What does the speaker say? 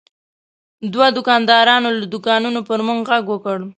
دوه دوکاندارانو له دوکانونو پر موږ غږ وکړ.